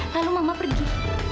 lalu mama pergi